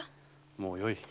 もうよい。